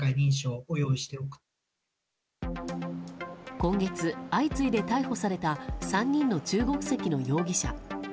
今月、相次いで逮捕された３人の中国籍の容疑者。